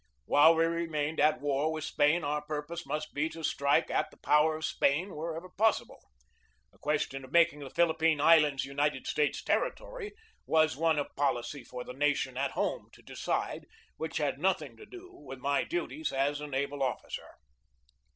While we remained at war with Spain our purpose must be to strike at the power of Spain wherever possible. The question of making the Philippine Islands United States terri tory was one of policy for the nation at home to decide, which had nothing to do with my duties as a naval officer.